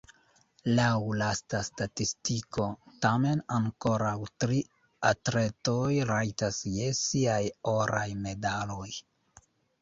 Laŭ lasta statistiko, tamen ankoraŭ tri atletoj rajtas je siaj oraj medaloj.